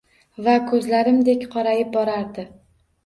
Va ko’zlarimdek qorayib borardi.